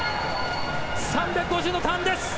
３５０ｍのターンです。